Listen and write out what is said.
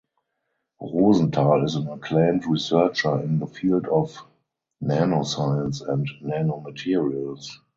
Rosenthal is an acclaimed researcher in the field of nanoscience and nanomaterials.